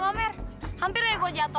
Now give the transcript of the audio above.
saya hampir jatuh